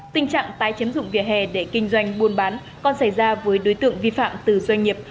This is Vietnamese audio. tình trạng tái chiếm dụng vỉa hè để kinh doanh buôn bán còn xảy ra với đối tượng vi phạm từ doanh nghiệp